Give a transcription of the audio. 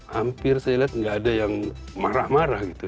hampir saya lihat nggak ada yang marah marah gitu